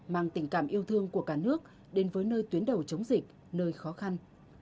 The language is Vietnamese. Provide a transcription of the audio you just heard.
mang tình cảm yêu thương của cả nước đến với nơi tuyến đầu chống dịch nơi khó khăn